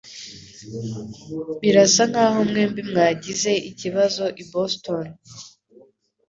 Birasa nkaho mwembi mwagize ikibazo i Boston